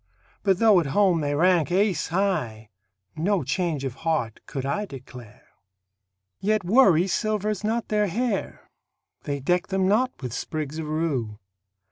But though at home they rank ace high, No change of heart could I declare. Yet worry silvers not their hair; They deck them not with sprigs of rue.